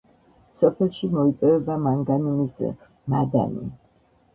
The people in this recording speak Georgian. სოფელში მოიპოვება მანგანუმის მადანი.